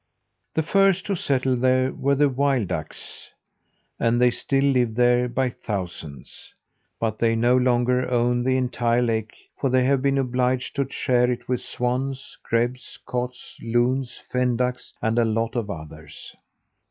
The first who settled there were the wild ducks; and they still live there by thousands. But they no longer own the entire lake, for they have been obliged to share it with swans, grebes, coots, loons, fen ducks, and a lot of others.